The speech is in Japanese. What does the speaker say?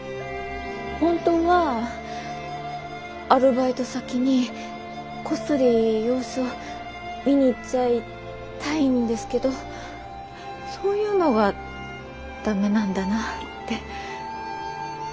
本当はアルバイト先にこっそり様子を見に行っちゃいたいんですけどそういうのがダメなんだなって。